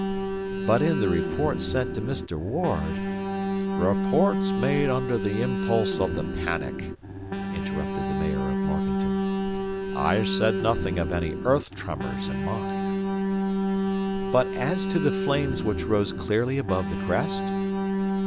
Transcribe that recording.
"But in the reports sent to Mr. Ward—" "Reports made under the impulse of the panic," interrupted the mayor of Morganton. "I said nothing of any earth tremors in mine." "But as to the flames which rose clearly above the crest?"